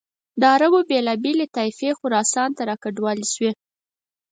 عربو بېلابېلې طایفې خراسان ته را کډوالې شوې.